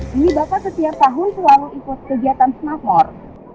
pak ini bakal setiap tahun selalu ikut kegiatan snapmort